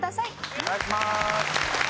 お願いします。